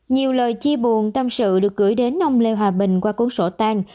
nhiều lời chi buồn tâm sự được gửi đến ông lê hòa bình qua cuốn sổ tăng